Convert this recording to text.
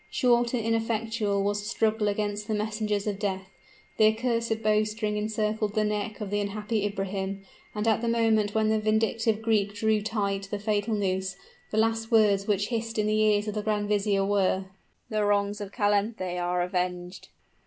Short and ineffectual was the struggle against the messengers of death; the accursed bowstring encircled the neck of the unhappy Ibrahim, and at the moment when the vindictive Greek drew tight the fatal noose, the last words which hissed in the ears of the grand vizier, were "The wrongs of Calanthe are avenged!"